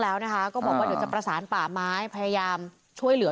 แล้วนะคะก็บอกว่าเดี๋ยวจะประสานป่าไม้พยายามช่วยเหลือ